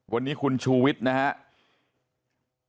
วันนี้คุณชุวิตนะฮะ